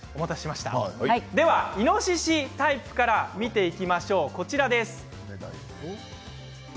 まずイノシシタイプから見ていきましょう。